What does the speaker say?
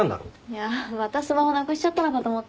いやぁまたスマホなくしちゃったのかと思った。